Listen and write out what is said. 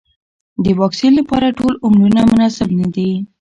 د واکسین لپاره ټول عمرونه مناسب نه دي.